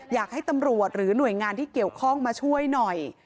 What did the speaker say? อยากให้ตำรวจหรือหน่วยงานที่เกี่ยวข้องมาช่วยหน่อย